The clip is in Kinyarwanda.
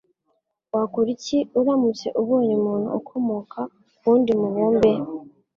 Wakora iki uramutse ubonye umuntu ukomoka kuwundi mubumbe?